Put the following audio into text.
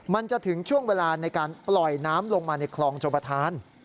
มันจะถึงช่วงเวลาในการปล่อยน้ำลงมาในคลองชมประธาน